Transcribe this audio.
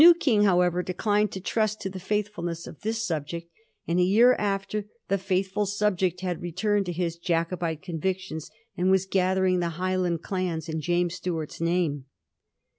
King, however, declined to trust to the faithfulness of this subject ; and a year after, the &ithful subject had returned to his Jacobite convictions, and was gather ing the Highland clans in James Stuart's name.